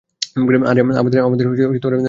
আরে, আমাদের ব্যান্ড বন্ধ হয়ে যাবে।